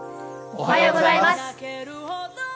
おはようございます。